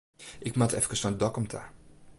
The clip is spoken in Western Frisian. Ik moat efkes nei Dokkum ta.